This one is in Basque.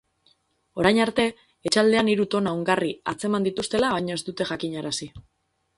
Orain arte, etxaldean hiru tona ongarri atzeman dituztela baino ez dute jakinarazi.